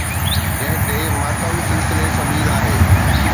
جنهن تي ماتم سلسلي سبيل آهي